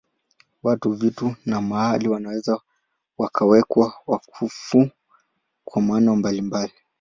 Watu, vitu na mahali wanaweza kuwekwa wakfu kwa namna mbalimbali.